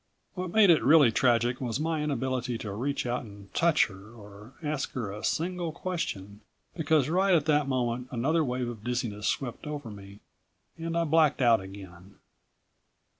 What made it really tragic was my inability to reach out and touch her or ask her a single question, because right at that moment another wave of dizziness swept over me and I blacked out again.